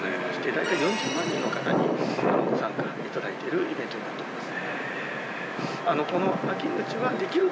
だいたい４０万人の方にご参加いただいてるイベントになっております。